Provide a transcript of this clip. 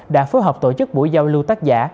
đã phối hợp tổ chức buổi giao lưu tác giả